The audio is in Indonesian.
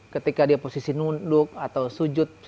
ketika dia posisi nunduk atau sujud